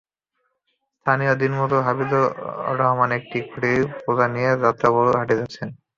স্থানীয় দিনমজুর হাফিজুর রহমান একটি খড়ির বোঝা নিয়ে যাত্রাপুর হাটে যাচ্ছেন।